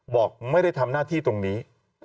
บอกไม่ได้ทำหน้าที่ตรงนี้